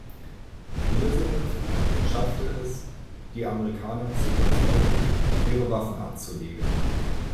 Elisabeth schafft es, die Amerikaner zu überzeugen, ihre Waffen abzulegen.